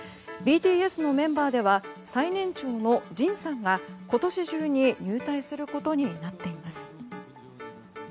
ＢＴＳのメンバーでは最年長のＪＩＮさんが今年中に入隊することになっています。